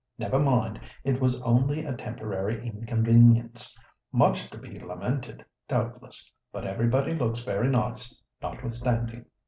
Never mind, it was only a temporary inconvenience—much to be lamented, doubtless—but everybody looks very nice, notwithstanding."